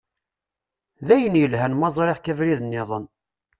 D ayen yelhan ma ẓṛiɣ-k abrid-nniḍen.